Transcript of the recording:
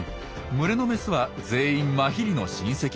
群れのメスは全員マヒリの親戚。